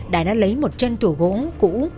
đài đã lấy một chân thủ gỗ cũ